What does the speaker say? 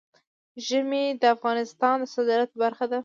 ژمی د افغانستان د صادراتو برخه ده.